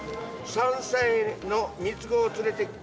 ３歳の３つ子を連れてきた。